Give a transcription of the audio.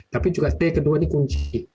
tapi juga t kedua ini kunci